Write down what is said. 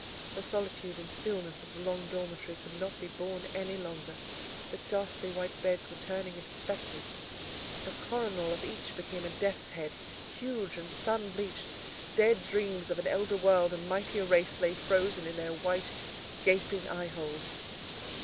The solitude and the stillness of the long dormitory could not be borne any longer; the ghastly white beds were turning into spectres—the coronal of each became a death's head, huge and sun bleached—dead dreams of an elder world and mightier race lay frozen in their wide gaping eyeholes.